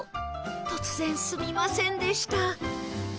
突然すみませんでした